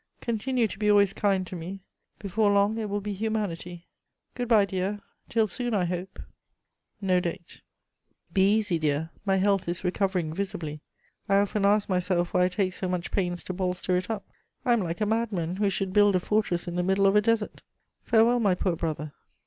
Continue to be always kind to me: before long it will be humanity. Good bye, dear. Till soon, I hope." [Sidenote: Lucile's letters.] (No date.) "Be easy, dear; my health is recovering visibly. I often ask myself why I take so much pains to bolster it up. I am like a madman who should build a fortress in the middle of a desert. Farewell, my poor brother."